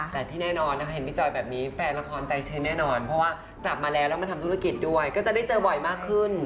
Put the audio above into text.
แต่ที่แน่นอนนะคะเห็นพี่จอยแบบนี้แฟนละครใจใช้แน่นอนเพราะว่ากลับมาแล้วแล้วมาทำธุรกิจด้วยก็จะได้เจอบ่อยมากขึ้น